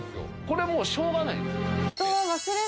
これもうしょうがない